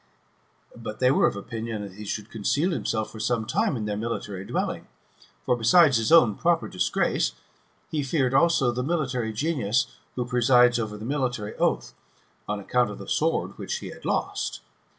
But they were of opinion, that he should conceal himself for some time in their military dwelling ; for, besides his own proper disgrace, he feared also the military Genius,^^ who presides over the military oath, on account of the sword which he had lost.